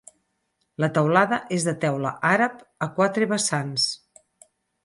La teulada és de teula àrab a quatre vessants.